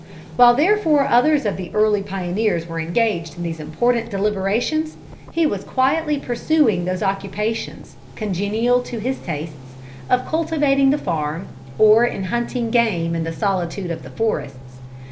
While therefore others of the early pioneers were engaged in these important deliberations, he was quietly pursuing those occupations, congenial to his tastes, of cultivating the farm, or in hunting game in the solitude of the forests.